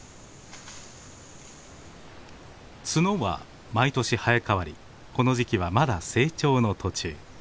角は毎年生えかわりこの時期はまだ成長の途中。